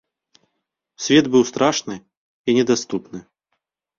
Свет быў страшны і недаступны.